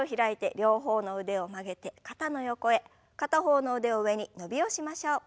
片方の腕を上に伸びをしましょう。